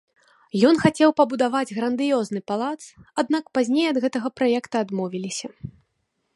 Ён хацеў пабудаваць грандыёзны палац, аднак пазней ад гэтага праекта адмовіліся.